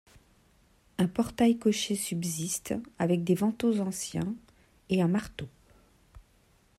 Un portail cocher subsiste avec des vantaux anciens et un marteau.